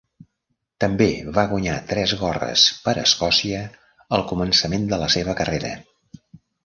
També va guanyar tres gorres per Escòcia al començament de la seva carrera.